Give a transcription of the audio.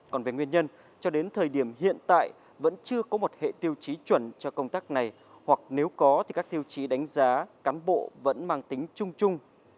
còn về nguyên nhân cho đến thời điểm hiện tại vẫn chưa có một hệ tiêu chí chuẩn cho công tác này hoặc nếu có thì các tiêu chí đánh giá cán bộ vẫn mang tính chung chung